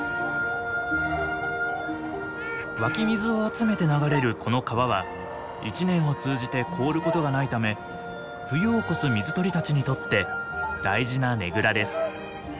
湧き水を集めて流れるこの川は一年を通じて凍ることがないため冬を越す水鳥たちにとって大事なねぐらです。